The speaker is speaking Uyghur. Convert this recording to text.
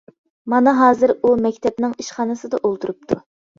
مانا ھازىر ئۇ مەكتەپنىڭ ئىشخانىسىدا ئولتۇرۇپتۇ.